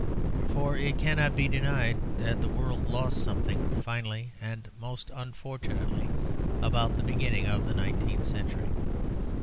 For it cannot be denied that the world lost something finally and most unfortunately about the beginning of the nineteenth century.